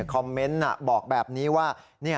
คอมเมนต์บอกแบบนี้ว่า